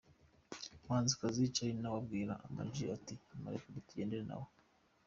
Umuhanzikazi Charly nawe abwira Am G ati: "Murekure tugende yewe.